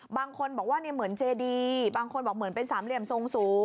บางคนบอกว่าเหมือนเจดีบางคนบอกเหมือนเป็นสามเหลี่ยมทรงสูง